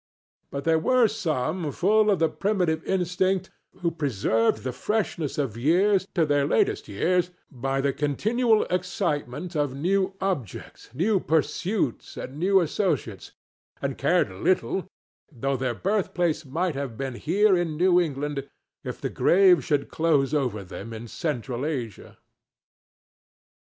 But there were some full of the primeval instinct who preserved the freshness of youth to their latest years by the continual excitement of new objects, new pursuits and new associates, and cared little, though their birthplace might have been here in New England, if the grave should close over them in Central Asia.